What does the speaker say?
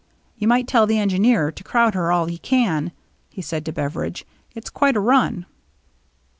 " You might tell the engineer to crowd her all he can," he said to Beveridge. " It's quite a run."